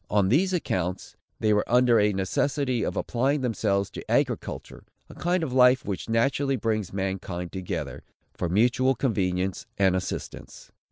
On these accounts, they were under a necessity of applying themselves to agriculture, a kind of life which naturally brings mankind together, for mutual convenience and assistance.